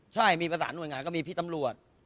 ใช่มีประสานหน่วยงานก็มีพี่ตำรวจ